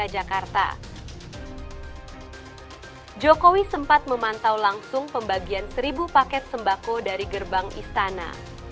jokowi sempat memantau langsung pembagian seribu paket sembako dari gerbang istana